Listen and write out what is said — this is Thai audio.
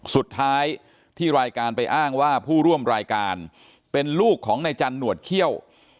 สุดท้ายที่รายการไปอ้างว่าผู้ร่วมรายการเป็นลูกของนายจันหนวดเขี้ยว